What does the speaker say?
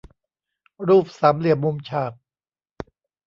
รูปสามเหลี่ยมมุมฉาก